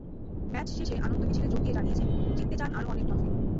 Match শেষে আনন্দ মিছিলে যোগ দিয়ে জানিয়েছেন, জিততে চান আরও অনেক ট্রফি।